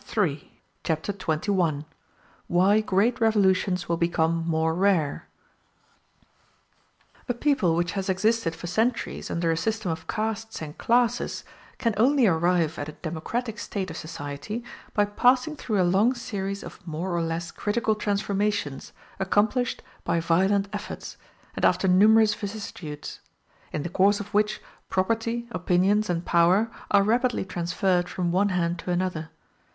] Chapter XXI: Why Great Revolutions Will Become More Rare A people which has existed for centuries under a system of castes and classes can only arrive at a democratic state of society by passing through a long series of more or less critical transformations, accomplished by violent efforts, and after numerous vicissitudes; in the course of which, property, opinions, and power are rapidly transferred from one hand to another.